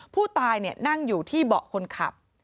ผู้ตายนั่งอยู่ที่เบาะคนขับ